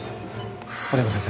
森山先生